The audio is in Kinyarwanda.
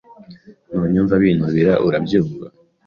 Ntunyumva binubira, urabyumva?